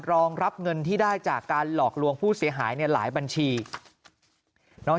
รองรับเงินที่ได้จากการหลอกลวงผู้เสียหายเนี่ยหลายบัญชีน้อง